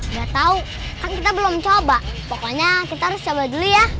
nggak tahu kan kita belum coba pokoknya kita harus coba dulu ya